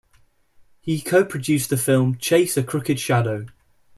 He co produced the film "Chase a Crooked Shadow".